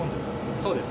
そうです。